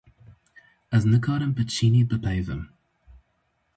Ez nikarim bi çînî bipeyivim.